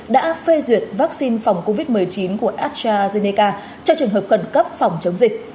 đã phê duyệt vaccine phòng covid một mươi chín của astrazeneca cho trường hợp khẩn cấp phòng chống dịch